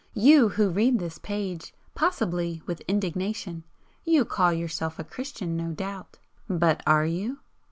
You who read this page, (possibly with indignation) you call yourself a Christian, no doubt. But ARE you?